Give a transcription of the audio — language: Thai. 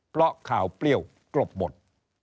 เพราะข่าวเปรี้ยวกรบหมด